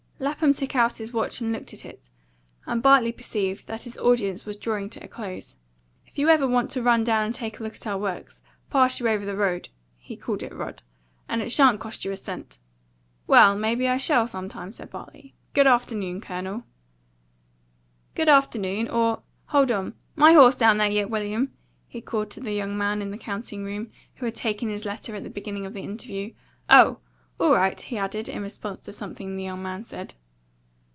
'" Lapham took out his watch and looked at it, and Bartley perceived that his audience was drawing to a close. "'F you ever want to run down and take a look at our works, pass you over the road," he called it RUD "and it sha'n't cost you a cent." "Well, may be I shall, sometime," said Bartley. "Good afternoon, Colonel." "Good afternoon. Or hold on! My horse down there yet, William?" he called to the young man in the counting room who had taken his letter at the beginning of the interview. "Oh! All right!" he added, in response to something the young man said.